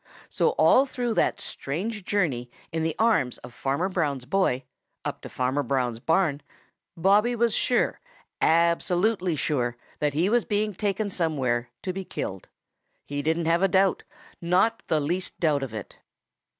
So all through that strange journey in the arms of armer Brown's boy, up to Farmer Brown's barn, Bobby was sure, absolutely sure, that he was being taken somewhere to be killed. He didn't have a doubt, not the least doubt, of it.